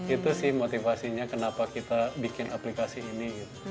itu sih motivasinya kenapa kita bikin aplikasi ini